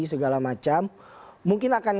segala macam mungkin akan